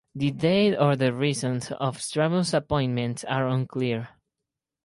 The date or the reasons of Strabo's appointment are unclear.